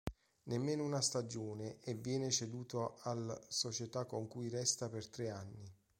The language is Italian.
Nemmeno una stagione e viene ceduto all', società con cui resta per tre anni.